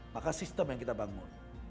maka sistem yang kita bangun